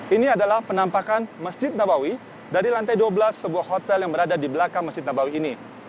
ini adalah penampakan masjid nabawi dari lantai dua belas sebuah hotel yang berada di belakang masjid nabawi ini